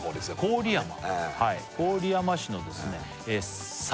郡山郡山市のですねさ